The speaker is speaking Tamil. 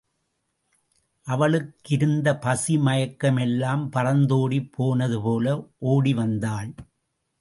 அவளுக்கிருந்த பசி மயக்கம் எல்லாம் பறந்தோடிப் போனது போல ஒடி வந்தாள்.